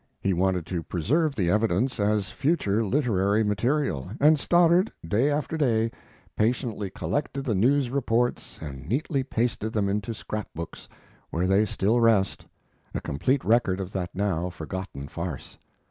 ] He wanted to preserve the evidence as future literary material, and Stoddard day after day patiently collected the news reports and neatly pasted them into scrap books, where they still rest, a complete record of that now forgotten farce.